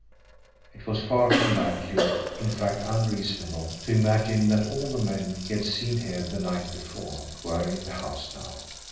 It was far from likely, in fact unreasonable, to imagine that all the men he had seen here the night before were in the house now.